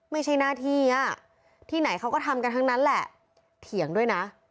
ไม่ใช่หน้าที่ที่ไหนเขาก็ทำกันทั้งนั้นแหละเถียงด้วยนะ